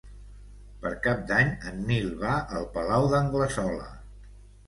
Per Cap d'Any en Nil va al Palau d'Anglesola.